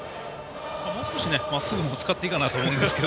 もう少し、まっすぐも使っていいかなと思うんですが。